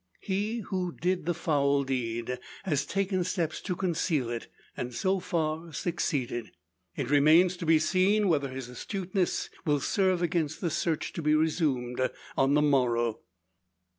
He, who did the foul deed, has taken steps to conceal it, and so far succeeded. It remains to be seen whether his astuteness will serve against the search to be resumed on the morrow.